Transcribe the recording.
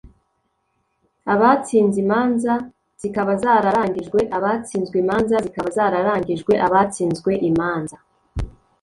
abatsinze imanza zikaba zararangijwe abatsinzwe imanza zikaba zararangijwe abatsinzwe imanza